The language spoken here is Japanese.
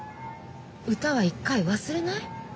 歌は一回忘れない？